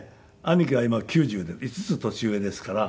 兄貴は今９０で５つ年上ですから。